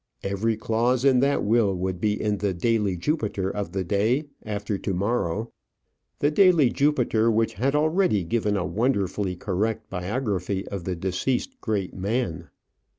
Every clause in that will would be in the "Daily Jupiter" of the day after to morrow the "Daily Jupiter" which had already given a wonderfully correct biography of the deceased great man.